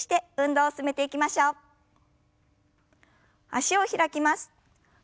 脚を開きます。